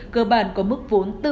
cơ bản có mức vốn tự có